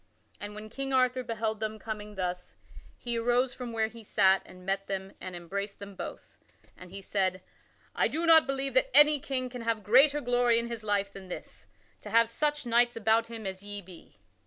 And when King Arthur beheld them coming thus, he arose from where he sat and met them and embraced them both, and he said: "I do not believe that any king can have greater glory in his life than this, to have such knights about him as ye be."